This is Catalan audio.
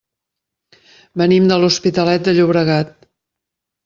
Venim de l'Hospitalet de Llobregat.